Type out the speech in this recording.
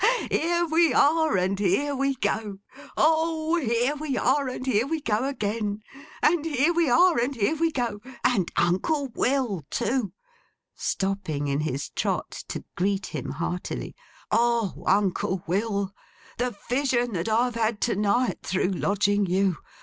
Here we are and here we go! O here we are and here we go again! And here we are and here we go! and Uncle Will too!' Stopping in his trot to greet him heartily. 'O, Uncle Will, the vision that I've had to night, through lodging you!